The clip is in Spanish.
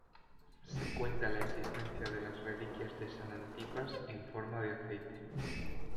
Se cuenta la existencia de las reliquias de San Antipas en forma de aceite.